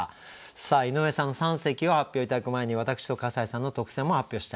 さあ井上さんの三席を発表頂く前に私と笠井さんの特選も発表したいと思います。